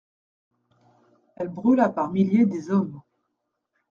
Elle brûla par milliers des hommes.